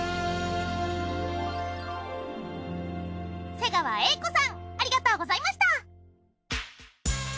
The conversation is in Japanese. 瀬川瑛子さんありがとうございました。